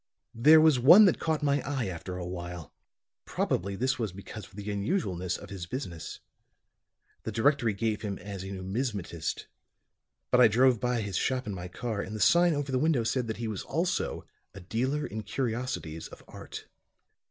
"There was one that caught my eye after a while; probably this was because of the unusualness of his business. The directory gave him as a numismatist; but I drove by his shop in my car, and the sign over the window said that he was also a dealer in curiosities of art.